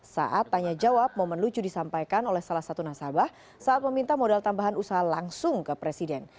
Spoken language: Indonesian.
saat tanya jawab momen lucu disampaikan oleh salah satu nasabah saat meminta modal tambahan usaha langsung ke presiden